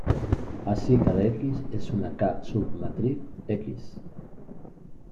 Así, cada "X" es una "k"submatriz "X".